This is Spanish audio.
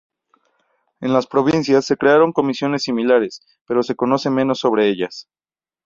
En las provincias, se crearon comisiones similares, pero se conoce menos sobre ellas.